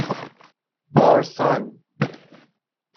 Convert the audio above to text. آرسان